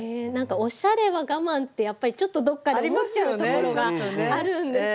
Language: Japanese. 「おしゃれは我慢」ってやっぱりどっかで思っちゃうところがあるんですけど。